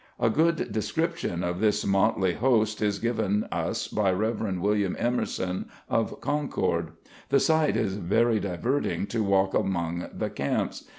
A good description of this motley host is given us by Rev. Wm. Emerson of Concord, "the sight is very diverting to walk among the camps.